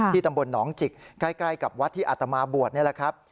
ตำบลหนองจิกใกล้กับวัดที่อัตมาบวชนี่แหละครับ